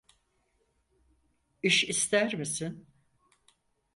İş ister misin?